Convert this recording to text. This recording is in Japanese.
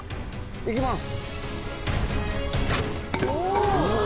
いきます